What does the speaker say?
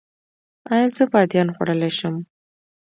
ایا زه بادیان خوړلی شم؟